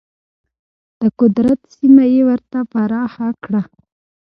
د قدرت سیمه یې ورته پراخه کړه.